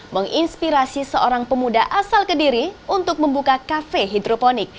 menginspirasi seorang pemuda asal kediri untuk membuka kafe hidroponik